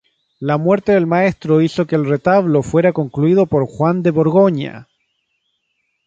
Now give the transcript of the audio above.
La muerte del maestro hizo que el retablo fuera concluido por Juan de Borgoña.